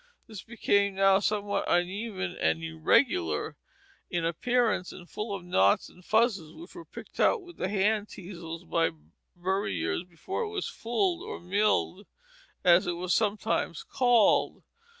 This became now somewhat uneven and irregular in appearance, and full of knots and fuzzes which were picked out with hand tweezers by burlers before it was fulled or milled, as it was sometimes called.